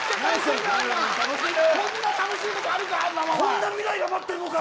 こんな未来が待ってるのか。